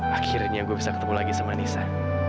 akhirnya gue bisa ketemu lagi sama nisa